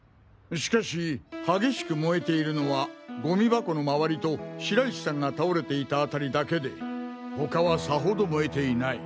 しかし激しく燃えているのはゴミ箱の周りと白石さんが倒れていた辺りだけで他はさほど燃えていない。